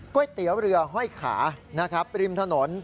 เตี๋ยวเรือห้อยขานะครับริมถนน